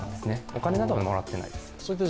お金などはもらってないです。